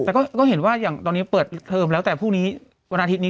แต่ก็เห็นว่าตอนนี้เปิดเทอมแล้วแต่พรุ่งนี้